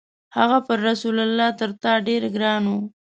هغه پر رسول الله تر تا ډېر ګران و.